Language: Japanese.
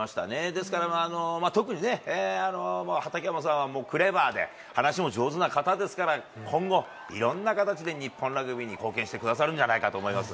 ですから、特にね、畠山さんはクレバーで、話も上手な方ですから、今後、いろんな形で日本ラグビーに貢献してくださるんじゃないかと思います。